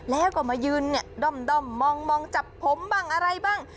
แล้วก็มายืนเนี่ยด้อมมองจับผมบ้างอะไรบ้าง